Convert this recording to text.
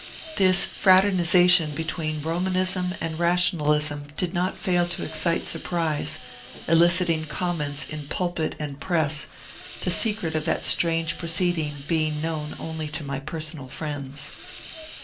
This fraternization between Romanism and Rationalism did not fail to excite surprise, eliciting comments in pulpit and press, the secret of that strange proceeding being known only to my personal friends.